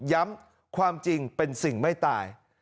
ย้ำความจริงเป็นสิ่งไม่ตาย